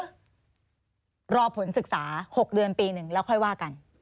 รอผลศึกษา๖เดือนปีหนึ่งแล้วค่อยว่ากัน